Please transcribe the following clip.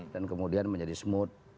dan kemudian menjadi smooth